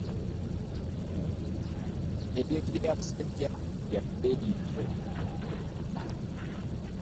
Ebintu by'abasajja bya bbeeyi nnyo .